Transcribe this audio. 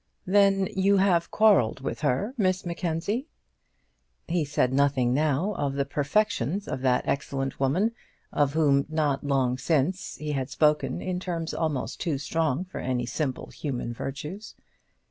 "Then you have quarrelled with her, Miss Mackenzie?" He said nothing now of the perfections of that excellent woman, of whom not long since he had spoken in terms almost too strong for any simple human virtues.